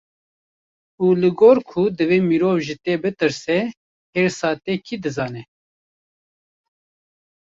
Û li gor ku divê mirov ji te bitirse, hêrsa te kî dizane?